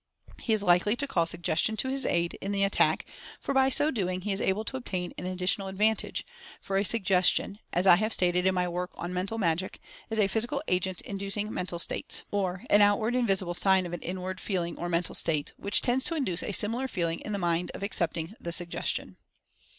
He is likely to call Suggestion to his aid, in the attack, for by so doing he is able to obtain an additional advantage, for a Suggestion (as I have stated in my work on Mental Magic) is a "Physical Agent inducing Mental States" —or "an outward and visible sign of an inward feel ing or mental state," which tends to induce a similar feeling in the mind of accepting the Suggestion.